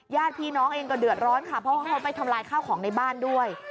ญาติพี่น้องเองก็เดือดร้อนค่ะเพราะว่าเขาไปทำลายข้าวของในบ้านด้วย